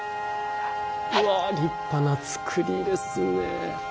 うわ立派な造りですね。